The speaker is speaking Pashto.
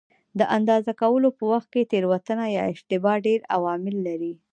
د اندازه کولو په وخت کې تېروتنه یا اشتباه ډېر عوامل لري.